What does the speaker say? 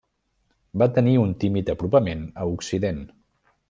Va tenir un tímid apropament a Occident.